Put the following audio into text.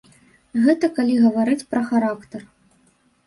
Гэта калі гаварыць пра характар.